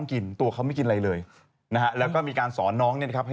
ก็นั่นแหละดีนะฮะ